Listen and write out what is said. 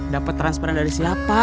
dapet transparan dari siapa